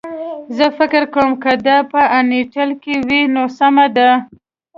زه فکر کوم که دا په انټیل کې وي نو سمه ده